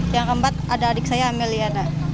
yang keempat ada adik saya ameliana